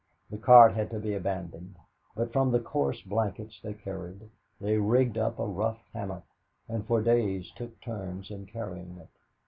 The cart had to be abandoned, but from the coarse blankets they carried they rigged up a rough hammock, and for days took turns in carrying it.